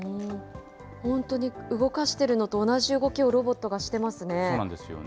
本当に動かしてるのと同じ動きをロボットがしてますね。